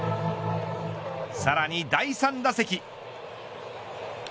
さらに第３打席。